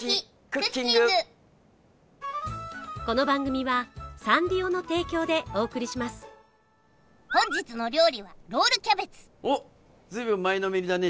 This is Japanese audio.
クッキング本日の料理はロールキャベツおっ随分前のめりだね